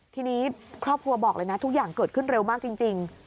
ทีนี้ครอบครัวบอกเลยนะทุกอย่างเกิดขึ้นเร็วมากจริง